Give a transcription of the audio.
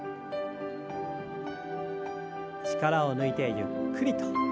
力を抜いてゆっくりと。